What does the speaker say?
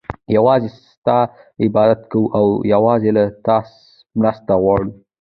يوازي ستا عبادت كوو او يوازي له تا مرسته غواړو